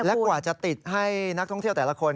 และกว่าจะติดให้นักท่องเที่ยวแต่ละคน